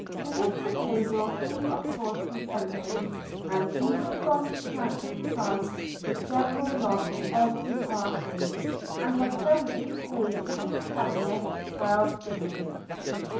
To this proposal he of course consented, and, either from chance or design, the General lost every party, and had presently paid to his antagonist twelve guineas.